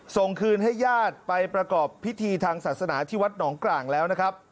ส่งคืนให้ญาติไปประกอบพิธีทางศาสนาที่วัดหนองกลางแล้วนะครับ